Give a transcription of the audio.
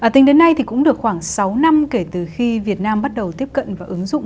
tính đến nay thì cũng được khoảng sáu năm kể từ khi việt nam bắt đầu tiếp cận và ứng dụng